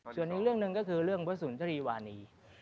ส่วนอีกเรื่องหนึ่งก็คือเรื่องพระสุนทรีวานี